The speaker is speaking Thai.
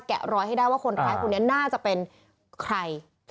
ร้อยให้ได้ว่าคนร้ายคนนี้น่าจะเป็นใคร